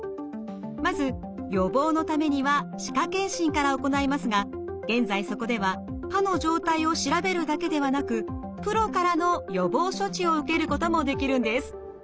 まず予防のためには歯科健診から行いますが現在そこでは歯の状態を調べるだけではなくプロからの予防処置を受けることもできるんです。